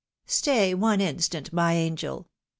" Stay one instant, my angel